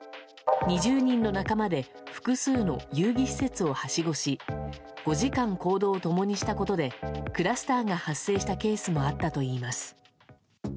２０人の仲間で複数の遊技施設をはしごし５時間、行動を共にしたことでクラスターが発生したケースもあったといいます。